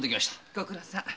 ご苦労さん。